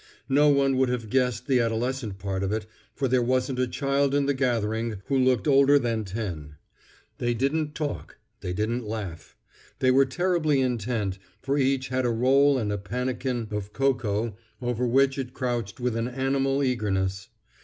No one would have guessed the adolescent part of it, for there wasn't a child in the gathering who looked older than ten. They didn't talk. They didn't laugh. They were terribly intent, for each had a roll and a pannikin of cocoa over which it crouched with an animal eagerness.